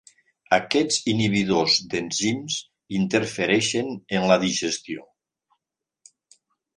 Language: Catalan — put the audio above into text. Aquests inhibidors d’enzims interfereixen en la digestió.